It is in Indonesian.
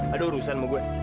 ada urusan mau gue